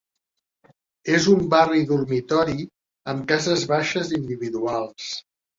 És un barri dormitori amb cases baixes individuals.